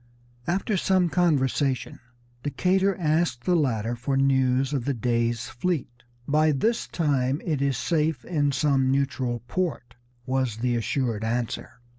After some conversation Decatur asked the latter for news of the Dey's fleet. "By this time it is safe in some neutral port," was the assured answer.